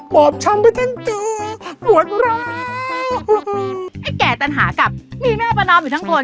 ปอบช้ำหมดแล้วไอ้แก่ตันหากับมีแม่ป้านอ๋อมอยู่ทั้งคน